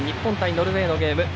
ノルウェーのゲーム。